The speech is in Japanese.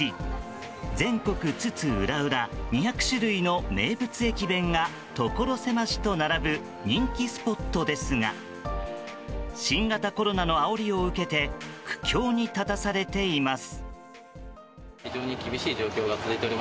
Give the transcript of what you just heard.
全国津々浦々２００種類の名物駅弁が所狭しと並ぶ人気スポットですが新型コロナのあおりを受けて苦境に立たされています。